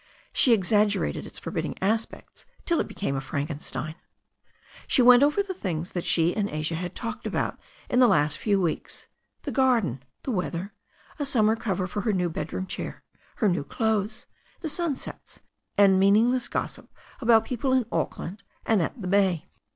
She exag gerated its forbidding aspects till it became a Franken stein. She went over the thii^s that she and Asia had talked about in the last few weeks — ^the garden, the weather, a summer cover for her bedroom chair, her new clothes, the sunsets, and meaningless gossip about people in Auckland and at the bay.